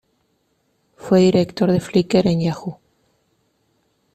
Fue director de Flickr en Yahoo!